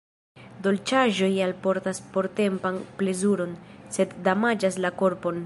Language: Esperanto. Dolĉaĵoj alportas portempan plezuron, sed damaĝas la korpon.